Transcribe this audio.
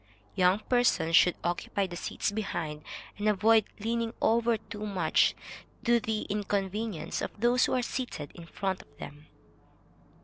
Young persons should occupy the seats behind, and avoid leaning over too much, to the incommoding of those who are seated in front of them.